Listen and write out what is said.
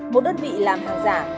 một đơn vị làm hàng giả